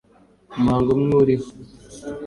Umuhango mywuriho.